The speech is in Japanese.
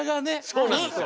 そうなんですよ。